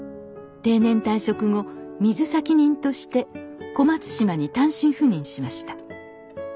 定年退職後水先人として小松島に単身赴任しました。